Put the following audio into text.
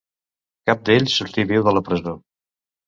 Cap d'ells sortí viu de la presó.